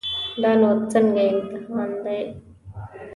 دا نو څنګه امتحان دی.